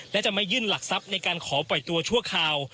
และจะไม่ยื่นหลักทรัพย์ในการขอปล่อยตัวชั่วคราว